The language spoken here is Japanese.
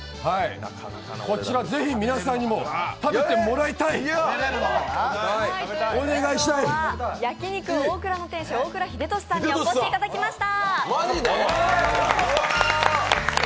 こちらぜひ皆さんにも食べてもらいたい！ということで今日は焼肉大倉の店主大倉秀俊さんにお越しいただきました。